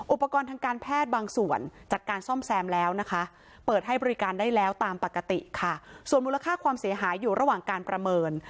อุปกรณ์ทางการแพทย์บางส่วนจัดการซ่อมแซมแล้วนะคะเปิดให้บริการได้แล้วตามปกติค่ะส่วนมูลค่าความเสียหายอยู่ระหว่างการประเมิน